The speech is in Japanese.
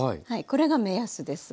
これが目安です。